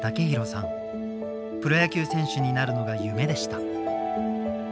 プロ野球選手になるのが夢でした。